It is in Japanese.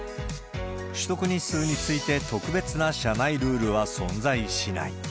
取得日数について特別な社内ルールは存在しない。